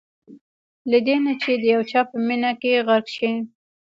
له دې نه چې د یو چا په مینه کې غرق شئ.